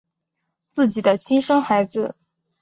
自己的亲生孩子